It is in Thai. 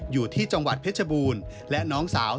อยู่ที่จังหวัดเพชรบูรณ์และน้องสาว